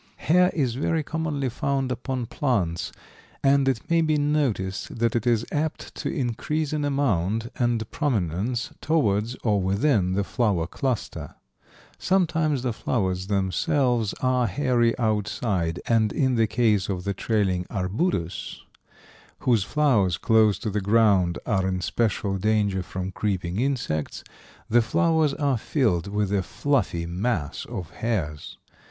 Hair is very commonly found upon plants, and it may be noticed that it is apt to increase in amount and prominence towards or within the flower cluster. Sometimes the flowers themselves are hairy outside, and in the case of the trailing arbutus, whose flowers close to the ground are in special danger from creeping insects, the flowers are filled with a fluffy mass of hairs.